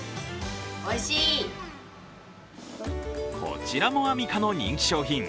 こちらもアミカの人気商品。